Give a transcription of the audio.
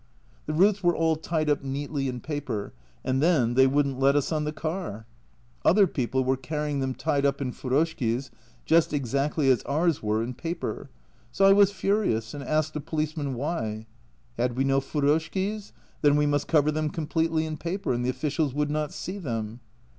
The roots were all tied up neatly in paper and then they wouldn't let us on the car ! Other people were carrying them tied up in feruskes just exactly as ours were in paper, so I was furious and asked a policeman why. "Had we no feruskes ? Then we must cover them completely in paper, and the officials would not see them."